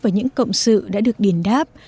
và những cộng sự đã được điền đáp